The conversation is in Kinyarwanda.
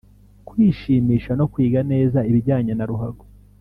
kwishimisha no kwiga neza ibijyanye na ruhago